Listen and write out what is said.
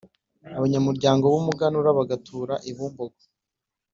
abanyamuhango b’umuganura, bagatura i Bumbogo;